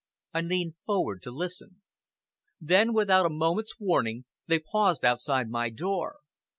I leaned forward to listen. Then, without a moment's warning, they paused outside my door.